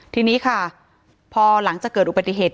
ทีนี้ค่ะพอหลังจากเกิดอุบัติเหตุ